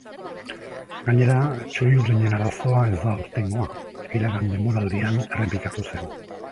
Gainera, txuri-urdinen arazoa ez da aurtengoa, iragan denboraldian errepikatu zen.